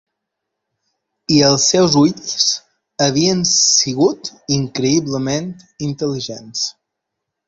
I els seus ulls havien sigut increïblement intel·ligents.